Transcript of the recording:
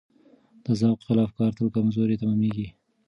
د ذوق خلاف کار تل کمزوری تمامېږي.